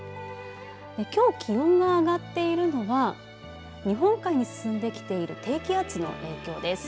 きょう気温が上がっているのは日本海に進んできている低気圧の影響です。